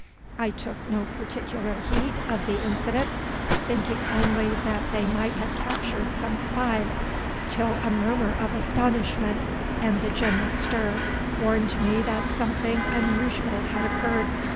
I took no particular heed of the incident, thinking only that they might have captured some spy, till a murmur of astonishment, and the general stir, warned me that something unusual had occurred.